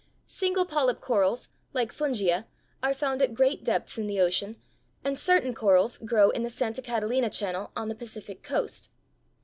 Single polyp corals, like Fungia, are found at great depths in the ocean, and certain corals grow in the Santa Catalina Channel on the Pacific coast.